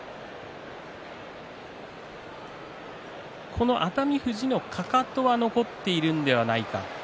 この熱海富士のかかとは残っているんではないか。